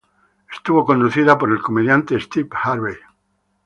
Estuvo conducida por el comediante Steve Harvey.